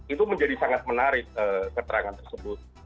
itu menjadi sangat menarik keterangan tersebut